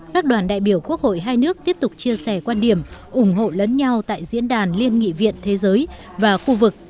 các đoàn đại biểu quốc hội hai nước tiếp tục chia sẻ quan điểm ủng hộ lẫn nhau tại diễn đàn liên nghị viện thế giới và khu vực